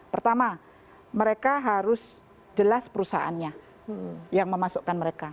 pertama mereka harus jelas perusahaannya yang memasukkan mereka